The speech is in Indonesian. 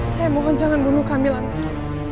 saya mohon jangan bunuh kami lampir